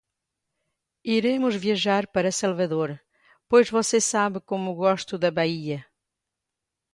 Iremos viajar para Salvador, pois você sabe como gosto da Bahia.